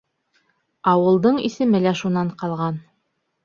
Ауылдың исеме лә шунан ҡалған.